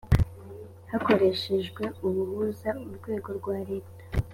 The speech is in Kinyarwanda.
hakoreshejwe ubuhuza urwego rwa leta